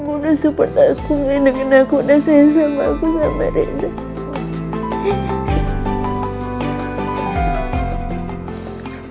membuat support aku ngendekin aku udah sayang sama aku sama rina